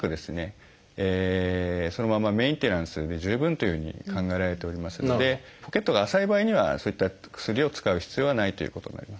そのままメンテナンスで十分というふうに考えられておりますのでポケットが浅い場合にはそういった薬を使う必要はないということになります。